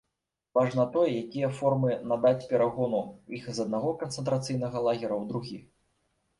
Важна тое, якія формы надаць перагону іх з аднаго канцэнтрацыйнага лагера ў другі.